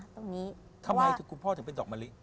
ตรงนี้ทำไมคุณพ่อถึงเป็นดอกมะลิ